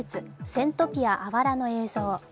セントピアあわらの映像。